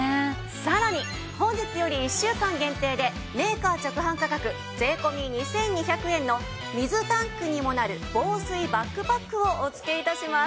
さらに本日より１週間限定でメーカー直販価格税込２２００円の水タンクにもなる防水バックパックをお付け致します。